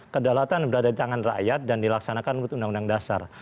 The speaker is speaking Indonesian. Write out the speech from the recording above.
kedaulatan berada di tangan rakyat dan dilaksanakan menurut undang undang dasar